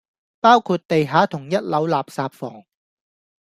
包括地下同一樓垃圾房